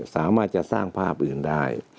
สามารถจะสร้างภาพอื่นได้